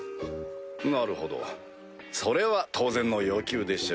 なるほどそれは当然の要求でしょう。